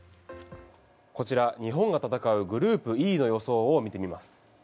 こちら、日本が戦うグループＥの予想を見てみます。